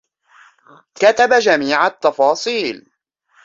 كتب جميع التفاصيل.